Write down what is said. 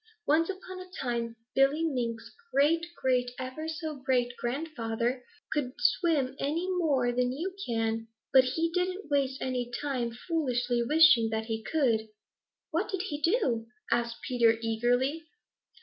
Once upon a time Billy Mink's great great ever so great grandfather couldn't swim any more than you can, but he didn't waste any time foolishly wishing that he could." "What did he do?" asked Peter eagerly.